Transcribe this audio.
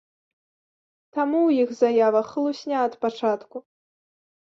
Таму ў іх заявах хлусня ад пачатку.